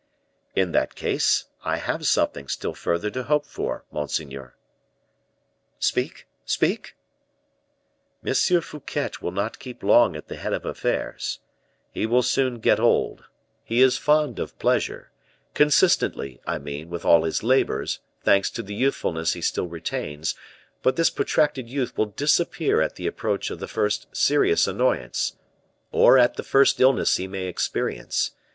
"In that case, I have something still further to hope for, monseigneur." "Speak! speak!" "M. Fouquet will not keep long at the head of affairs, he will soon get old. He is fond of pleasure, consistently, I mean, with all his labors, thanks to the youthfulness he still retains; but this protracted youth will disappear at the approach of the first serious annoyance, or at the first illness he may experience.